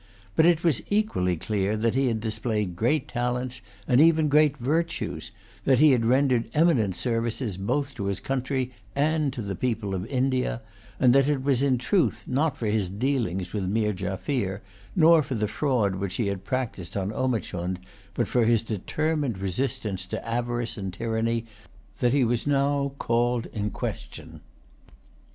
But it was equally clear that he had displayed great talents, and even great virtues; that he had rendered eminent services both to his country and to the people of India; and that it was in truth not for his dealings with Meer Jaffier, nor for the fraud which he had practised on Omichund, but for his determined resistance to avarice and tyranny, that he was now called in question.